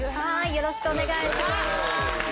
よろしくお願いします。